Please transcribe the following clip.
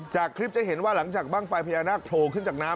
จากคลิปจะเห็นว่าหลังจากบ้างไฟพญานาคโผล่ขึ้นจากน้ำ